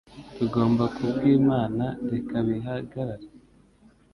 Tugomba ku bw'Imana reka bihagarare